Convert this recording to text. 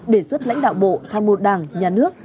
đề xuất lãnh đạo bộ tham mưu đảng nhà nước